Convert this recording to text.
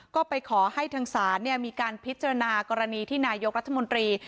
ก็ไปขอให้ทางศาลมีการพิจารณากรณีที่นายกรัฐมนตรี